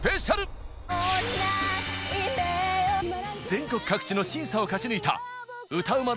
全国各地の審査を勝ち抜いた歌うま